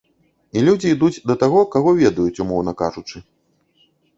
І людзі ідуць да таго, каго ведаюць, умоўна кажучы.